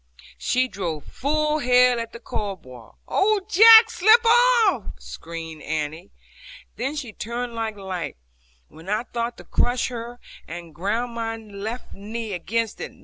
She drove full head at the cobwall 'Oh, Jack, slip off,' screamed Annie then she turned like light, when I thought to crush her, and ground my left knee against it.